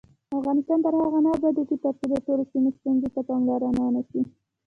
افغانستان تر هغو نه ابادیږي، ترڅو د ټولو سیمو ستونزو ته پاملرنه ونشي.